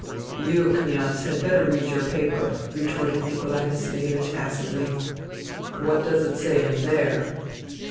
"" You, Kniaz, had better read your paper," retorted Nikolai Vasilievich acidly. " What does it say in there